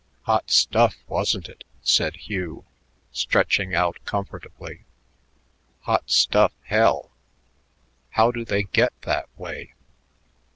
"Hot stuff, wasn't it?" said Hugh, stretching out comfortably. "Hot stuff, hell! How do they get that way?"